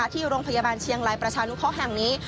ที่โรงพยาบาลเชียงรายประชานุเคราะห์แห่งนี้